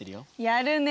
やるね。